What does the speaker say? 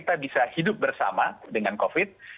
kita bisa hidup bersama dengan covid